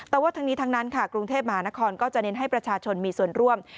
แต่ว่าทั้งนี้ทั้งนั้นค่ะกรุงเทพมหานครก็จะเน้นให้ประชาชนมีส่วนร่วม